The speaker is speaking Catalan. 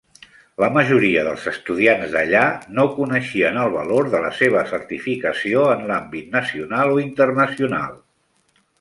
La majoria dels estudiants d'allà no coneixien el valor de la seva certificació en l'àmbit nacional o internacional.